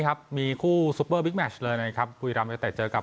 ครับมีคู่ซุปเปอร์บิ๊กแมชเลยนะครับบุรีรัมยูเต็ดเจอกับ